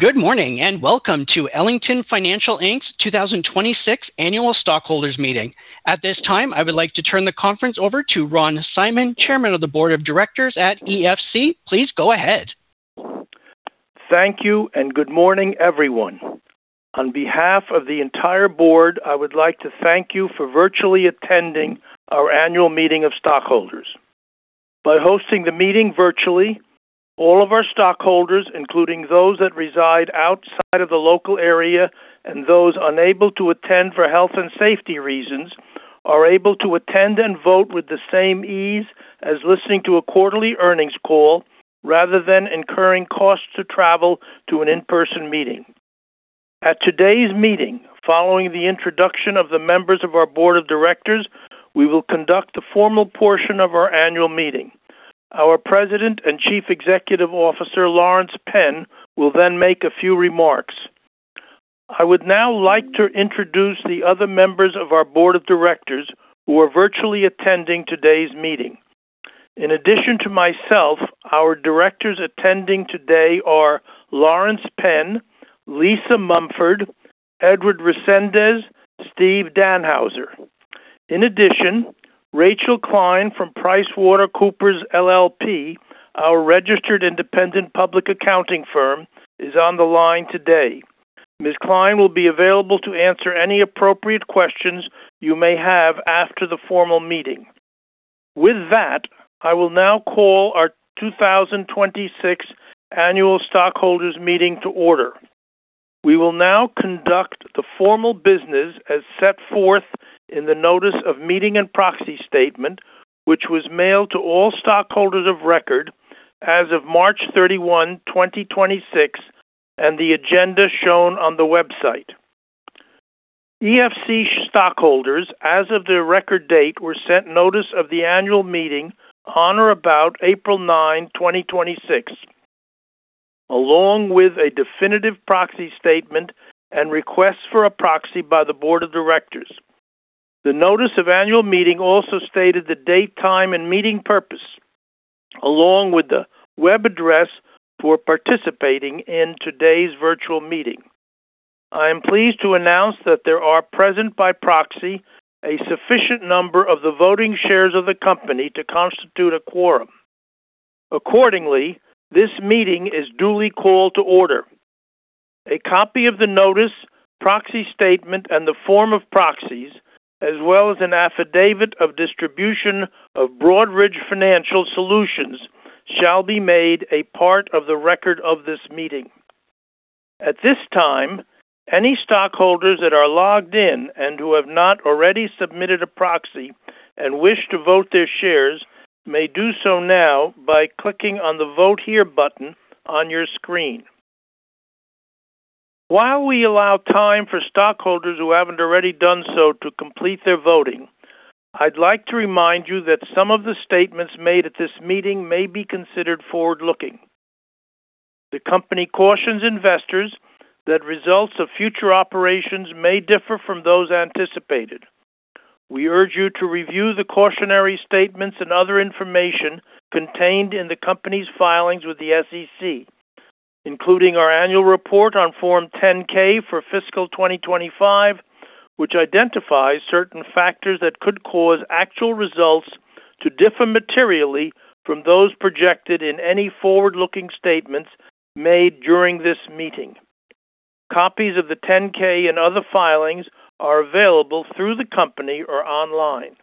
Good morning, and welcome to Ellington Financial Inc.'s 2026 Annual Meeting of Stockholders. At this time, I would like to turn the conference over to Ronald Simon, Chairman of the Board of Directors at Ellington Financial. Please go ahead. Thank you. Good morning, everyone. On behalf of the entire Board, I would like to thank you for virtually attending our Annual Meeting of Stockholders. By hosting the meeting virtually, all of our stockholders, including those that reside outside of the local area and those unable to attend for health and safety reasons, are able to attend and vote with the same ease as listening to a quarterly earnings call rather than incurring costs to travel to an in-person meeting. At today's meeting, following the introduction of the members of our Board of Directors, we will conduct the formal portion of our Annual Meeting. Our President and Chief Executive Officer, Laurence Penn, will make a few remarks. I would now like to introduce the other members of our Board of Directors who are virtually attending today's meeting. In addition to myself, our directors attending today are Laurence Penn, Lisa Mumford, Edward Resendez, Stephen J. Dannhauser. In addition, Rachel Klein from PricewaterhouseCoopers LLP, our registered independent public accounting firm, is on the line today. Ms. Klein will be available to answer any appropriate questions you may have after the formal meeting. With that, I will now call our 2026 Annual Meeting of Stockholders to order. We will now conduct the formal business as set forth in the notice of meeting and proxy statement, which was mailed to all stockholders of record as of March 31, 2026, and the agenda shown on the website. EFC stockholders, as of their record date, were sent notice of the annual meeting on or about April 9, 2026, along with a definitive proxy statement and request for a proxy by the board of directors. The notice of annual meeting also stated the date, time, and meeting purpose, along with the web address for participating in today's virtual meeting. I am pleased to announce that there are present by proxy a sufficient number of the voting shares of the company to constitute a quorum. Accordingly, this meeting is duly called to order. A copy of the notice, proxy statement, and the form of proxies, as well as an affidavit of distribution of Broadridge Financial Solutions, shall be made a part of the record of this meeting. At this time, any stockholders that are logged in and who have not already submitted a proxy and wish to vote their shares may do so now by clicking on the Vote Here button on your screen. While we allow time for stockholders who haven't already done so to complete their voting, I'd like to remind you that some of the statements made at this meeting may be considered forward-looking. The company cautions investors that results of future operations may differ from those anticipated. We urge you to review the cautionary statements and other information contained in the company's filings with the SEC, including our annual report on Form 10-K for fiscal 2025, which identifies certain factors that could cause actual results to differ materially from those projected in any forward-looking statements made during this meeting. Copies of the 10-K and other filings are available through the company or online.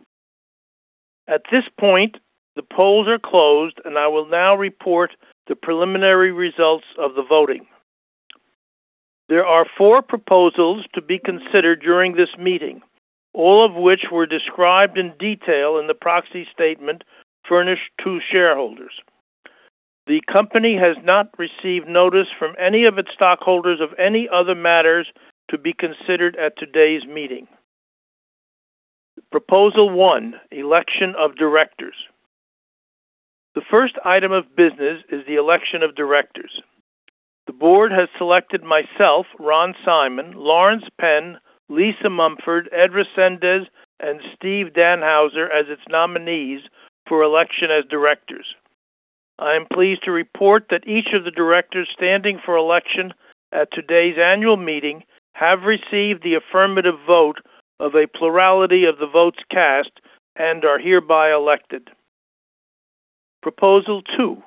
At this point, the polls are closed, and I will now report the preliminary results of the voting. There are four proposals to be considered during this meeting, all of which were described in detail in the proxy statement furnished to shareholders. The company has not received notice from any of its stockholders of any other matters to be considered at today's meeting. Proposal one, election of directors. The first item of business is the election of directors. The board has selected myself, Ronald Simon, Laurence Penn, Lisa Mumford, Edward Resendez, and Steve Dannhauser as its nominees for election as directors. I am pleased to report that each of the directors standing for election at today's annual meeting have received the affirmative vote of a plurality of the votes cast and are hereby elected. Proposal two,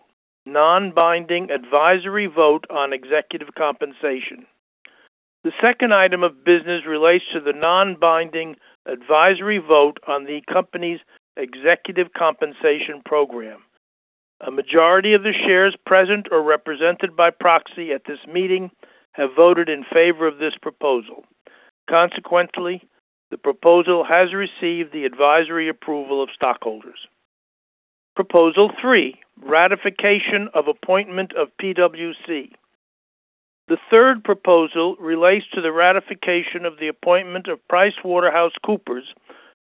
non-binding advisory vote on executive compensation. The second item of business relates to the non-binding advisory vote on the company's executive compensation program. A majority of the shares present or represented by proxy at this meeting have voted in favor of this proposal. Consequently, the proposal has received the advisory approval of stockholders. Proposal 3, ratification of appointment of PwC. The third proposal relates to the ratification of the appointment of PricewaterhouseCoopers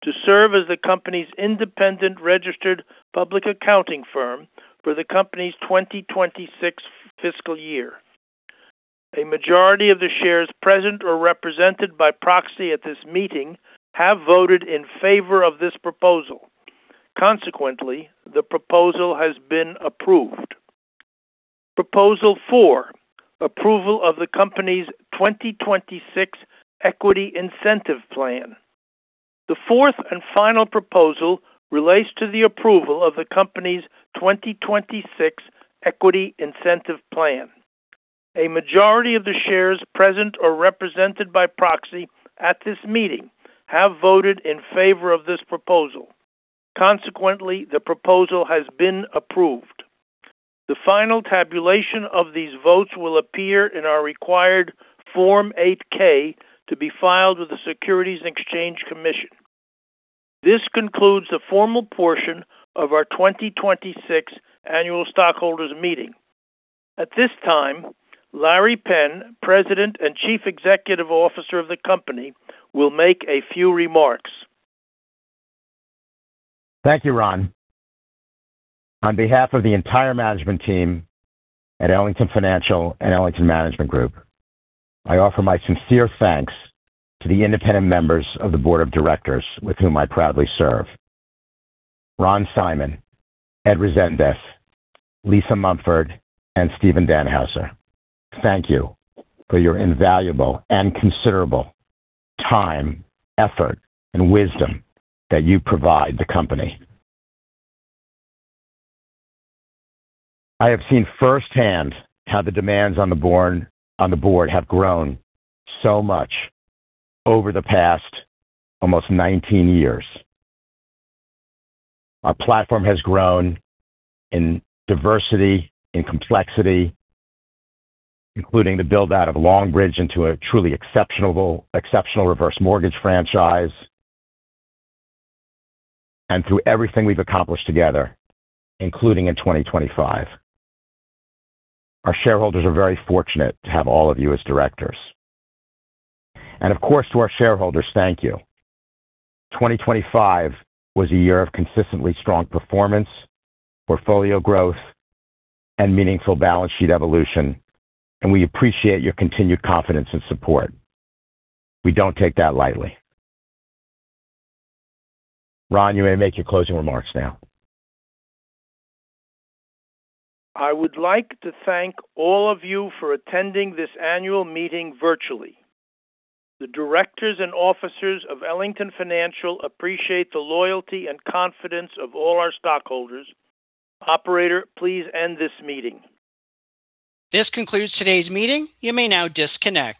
to serve as the company's independent registered public accounting firm for the company's 2026 fiscal year. A majority of the shares present or represented by proxy at this meeting have voted in favor of this proposal. Consequently, the proposal has been approved. Proposal 4, approval of the company's 2026 Equity Incentive Plan. The fourth and final proposal relates to the approval of the company's 2026 Equity Incentive Plan. A majority of the shares present or represented by proxy at this meeting have voted in favor of this proposal. Consequently, the proposal has been approved. The final tabulation of these votes will appear in our required Form 8-K to be filed with the Securities and Exchange Commission. This concludes the formal portion of our 2026 Annual Meeting of Stockholders. At this time, Laurence Penn, President and Chief Executive Officer of the company, will make a few remarks. Thank you, Ronald. On behalf of the entire management team at Ellington Financial and Ellington Management Group, I offer my sincere thanks to the independent members of the board of directors with whom I proudly serve. Ronald Simon, Edward Resendez, Lisa Mumford, and Stephen J. Dannhauser, thank you for your invaluable and considerable time, effort, and wisdom that you provide the company. I have seen firsthand how the demands on the board have grown so much over the past almost 19 years. Our platform has grown in diversity, in complexity, including the build-out of Longbridge Financial into a truly exceptional reverse mortgage franchise. Through everything we've accomplished together, including in 2025. Our shareholders are very fortunate to have all of you as directors. Of course, to our shareholders, thank you. 2025 was a year of consistently strong performance, portfolio growth, and meaningful balance sheet evolution, and we appreciate your continued confidence and support. We don't take that lightly. Ron, you may make your closing remarks now. I would like to thank all of you for attending this annual meeting virtually. The directors and officers of Ellington Financial appreciate the loyalty and confidence of all our stockholders. Operator, please end this meeting. This concludes today's meeting. You may now disconnect.